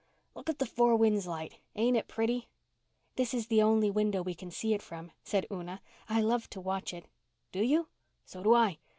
Look at the Four Winds light. Ain't it pretty?" "This is the only window we can see it from," said Una. "I love to watch it." "Do you? So do I.